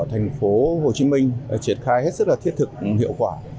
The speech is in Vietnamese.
thành phố hồ chí minh triển khai hết sức là thiết thực hiệu quả